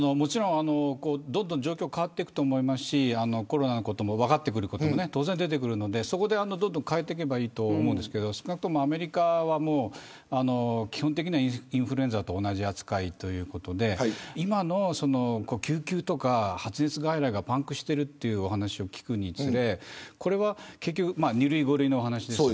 どんどん状況変わっていくと思いますしコロナのことも分かってくること当然出てくるのでどんどん変えていけばいいと思いますが少なくともアメリカは基本的にはインフルエンザと同じ扱いということで今の救急とか発熱外来がパンクしているというお話を聞くにつれこれは２類５類の話です。